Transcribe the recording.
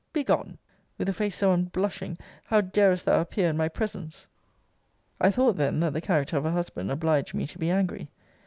Begone! With a face so unblushing, how darest thou appear in my presence? I thought then, that the character of a husband obliged me to be angry.